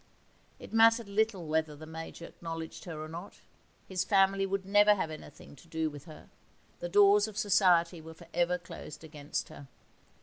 It mattered little whether the Major acknowledged her or not, his family would never have anything to do with her; the doors of Society were for ever closed against her.